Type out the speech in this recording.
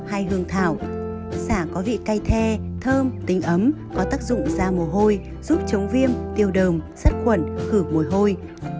hay hương thảo xả có vị cay the thơm tính ấm có tác dụng da mồ hôi giúp chống viêm tiêu đờm sắt khuẩn khử mùi hôi